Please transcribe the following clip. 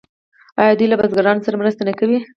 آیا دوی له بزګرانو سره مرسته نه کوي؟